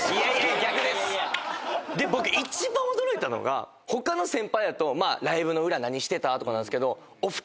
僕一番驚いたのが他の先輩やと「ライブの裏何してた？」とかなんですけどお二人。